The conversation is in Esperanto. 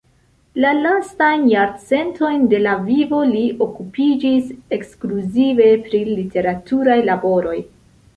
La lastajn jarcentojn de la vivo li okupiĝis ekskluzive pri literaturaj laboroj.